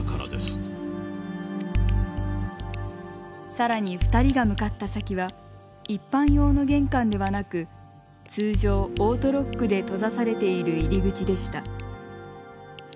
更に２人が向かった先は一般用の玄関ではなく通常オートロックで閉ざされている入り口でした。